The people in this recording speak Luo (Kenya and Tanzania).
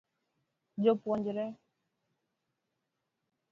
Jopuonjre